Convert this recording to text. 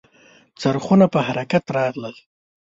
څرخونه په حرکت راغلل .